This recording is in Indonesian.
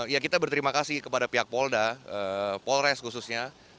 ya kita berterima kasih kepada pihak polda polres khususnya